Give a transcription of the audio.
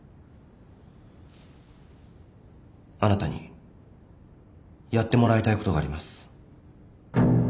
あなたにやってもらいたいことがあります。